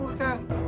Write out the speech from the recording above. buat anak karamurka